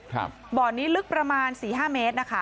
ข้ามบ่อนี้ลึกประมาณ๔๕เมตรนะคะ